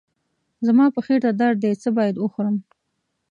زما په خېټه درد دی، څه باید وخورم؟